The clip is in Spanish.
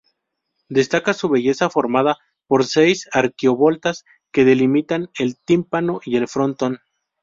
Destaca su belleza formada por seis arquivoltas que delimitan el tímpano y el frontón.